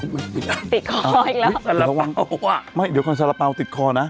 ติดคออีกแล้วอ้าวสาระเปาอ่ะไม่เดี๋ยวก่อนสาระเปาติดคอน่ะ